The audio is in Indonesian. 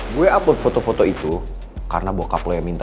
gue upload foto foto itu karena bokap lo yang minta